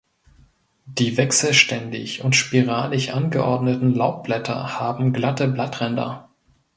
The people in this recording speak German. Die wechselständig und spiralig angeordneten Laubblätter haben glatte Blattränder.